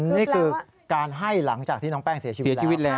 นี่คือการให้หลังจากที่น้องแป้งเสียชีวิตเลย